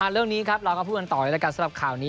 เรื่องนี้ครับเราก็พูดกันต่อเลยแล้วกันสำหรับข่าวนี้